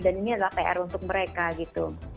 dan ini adalah pr untuk mereka gitu